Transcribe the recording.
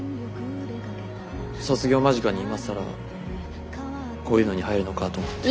卒業間近に今更こういうのに入るのかと思って。